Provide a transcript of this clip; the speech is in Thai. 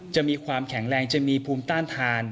จะมีความแข็งแรงจะมีภูมิต้านทาน